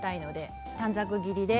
短冊切りで。